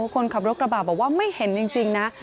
คนขับรถกระบะบอกว่าไม่เห็นจริงนะ